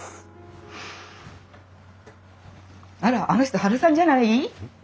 あらあの人ハルさんじゃない？